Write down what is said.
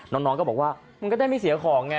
น้องก็บอกว่ามันก็ได้ไม่เสียของไง